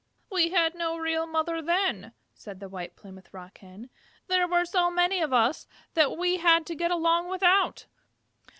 "We had no real mother then," said the White Plymouth Rock Hen. "There were so many of us that we had to get along without.